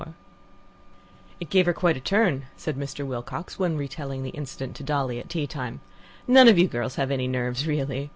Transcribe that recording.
Chapter 24 "It gave her quite a turn," said Mr. Wilcox, when retailing the incident to Dolly at tea time. "None of you girls have any nerves, really.